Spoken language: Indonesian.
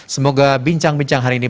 semoga bincang bincang hari ini